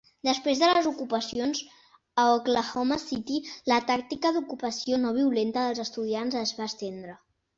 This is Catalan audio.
Després de les ocupacions a Oklahoma City, la tàctica d'ocupació no violenta dels estudiants es va estendre.